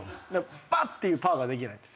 パッ！っていうパーができないんですよ。